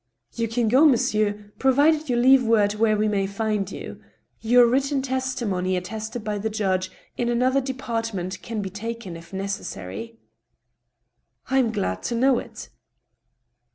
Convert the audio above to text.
" You can go, monsieur, provided you leave word where we may find you. Your written testimony attested by the judge in another department can be taken if necessary." " I am glad to know it."